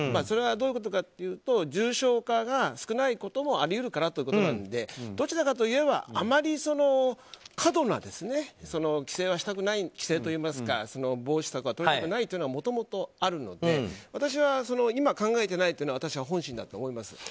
それはどういうことかというと重症化が少ないこともあり得るからということなのでどちらかといえばあまり過度な規制はしたくない規制といいますか防止策は取りたくないというのがもともとあるので、私は今、考えていないというのは本心だと思います。